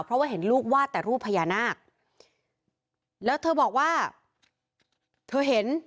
เพราะว่าเห็นลูกวาดแต่รูปพญานาคแล้วเธอบอกว่าเธอเห็น